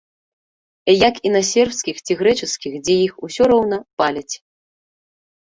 Як і на сербскіх ці грэчаскіх, дзе іх усё роўна паляць.